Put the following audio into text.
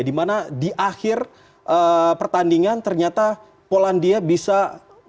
di mana di akhir pertandingan ternyata polandia bisa menang